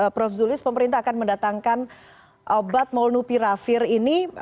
prof zulis pemerintah akan mendatangkan obat molnupiravir ini